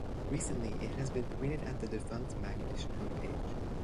Recently, it has been pointed at the defunct MacEdition homepage.